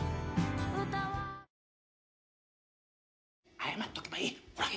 謝っとけばいい。